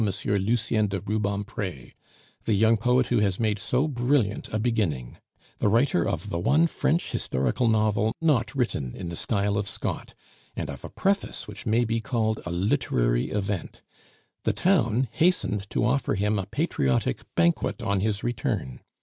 Lucien de Rubempre, the young poet who has made so brilliant a beginning; the writer of the one French historical novel not written in the style of Scott, and of a preface which may be called a literary event. The town hastened to offer him a patriotic banquet on his return.